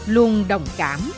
luôn đồng cảm